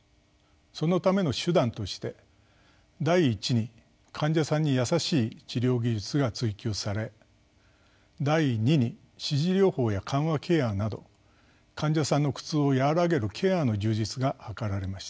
そのための手段として第一に患者さんに優しい治療技術が追求され第二に支持療法や緩和ケアなど患者さんの苦痛を和らげるケアの充実が図られました。